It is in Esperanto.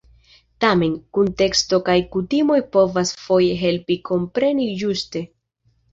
Tamen, kunteksto kaj kutimoj povas foje helpi kompreni ĝuste.